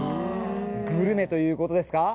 グルメということですか。